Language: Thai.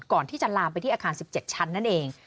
ก่อนที่จะลามไปที่อาคาร๑๗ชั้นนั่นเอง